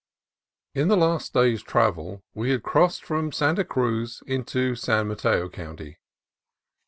IN the last day's travel we had crossed from Santa Cruz into San Mateo County.